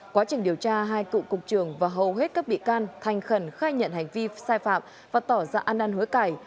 quá trình điều tra hai cựu cục trưởng và hầu hết các bị can thành khẩn khai nhận hành vi sai phạm và tỏ ra ăn ăn hối cải